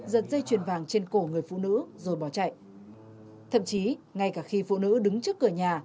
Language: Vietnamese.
giật dây chuyền vàng trên cổ người phụ nữ rồi bỏ chạy thậm chí ngay cả khi phụ nữ đứng trước cửa nhà